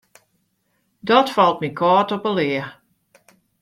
Dat falt my kâld op 'e lea.